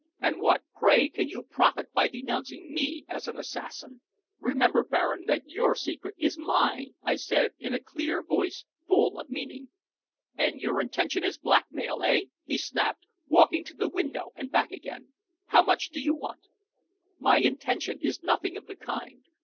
"And what, pray, can you profit by denouncing me as an assassin? Remember, Baron, that your secret is mine," I said in a clear voice full of meaning. "And your intention is blackmail eh?" he snapped, walking to the window and back again. "How much do you want?" "My intention is nothing of the kind.